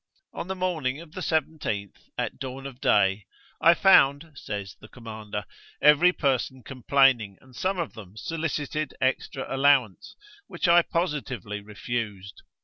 On the morning of the 17th, at dawn of day, 'I found,' says the commander, 'every person complaining, and some of them solicited extra allowance, which I positively refused.